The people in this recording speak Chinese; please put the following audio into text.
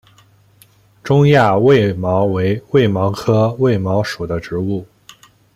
中亚卫矛为卫矛科卫矛属的植物。